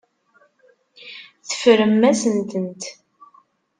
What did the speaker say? Teffrem-asen-tent.